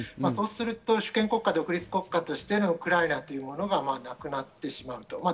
そうすると主権国家、独立国家としてのウクライナはなくなってしまうと。